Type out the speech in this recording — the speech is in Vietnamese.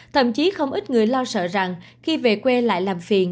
thậm chí không ít người lo sợ rằng khi về quê lại làm phiền